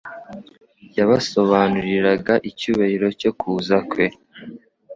Yabasobanuriraga icyubahiro cyo kuza kwe,